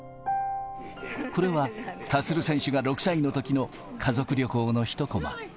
これは立選手が６歳のときの家族旅行の一こま。